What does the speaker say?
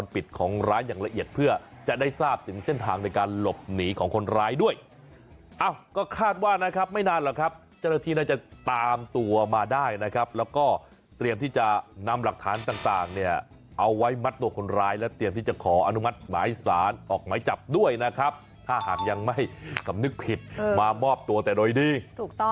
ปิดของร้านอย่างละเอียดเพื่อจะได้ทราบถึงเส้นทางในการหลบหนีของคนร้ายด้วยก็คาดว่านะครับไม่นานหรอกครับเจ้าหน้าที่น่าจะตามตัวมาได้นะครับแล้วก็เตรียมที่จะนำหลักฐานต่างเนี่ยเอาไว้มัดตัวคนร้ายและเตรียมที่จะขออนุมัติหมายสารออกหมายจับด้วยนะครับถ้าหากยังไม่สำนึกผิดมามอบตัวแต่โดยดีถูกต้อง